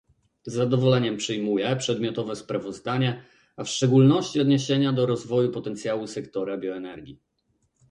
Z zadowoleniem przyjmuję przedmiotowe sprawozdanie, a w szczególności odniesienia do rozwoju potencjału sektora bioenergii